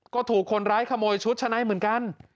ก็ถูกคนร้ายขโมยชุดชะในเหมือนกัน